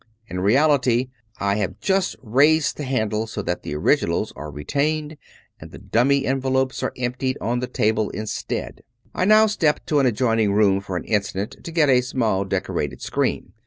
In reality, I have just raised the handle so that the originals are retained, and the dummy envelopes are emptied on the table instead. I now step to an adjoining room for an instant, to get a small decorated screen.